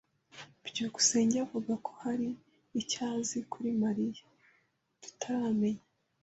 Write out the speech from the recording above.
byukusenge avuga ko hari icyo azi kuri Mariya tutaramenya.